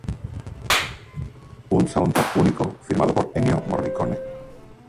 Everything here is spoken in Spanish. Un soundtrack único firmado por Ennio Morricone.